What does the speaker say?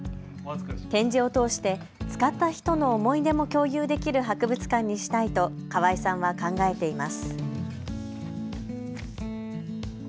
展示を通して使った人の思い出も共有できる博物館にしたいと川井さんは考えています。